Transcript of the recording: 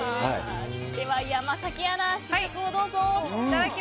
では山崎アナ、試食どうぞ。